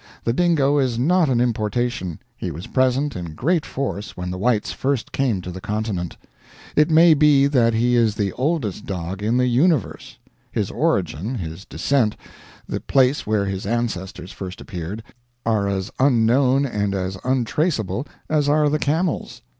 The dingo is not an importation; he was present in great force when the whites first came to the continent. It may be that he is the oldest dog in the universe; his origin, his descent, the place where his ancestors first appeared, are as unknown and as untraceable as are the camel's.